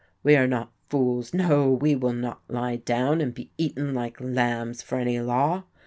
We are not fools, no, we will not lie down and be eaten like lambs for any law.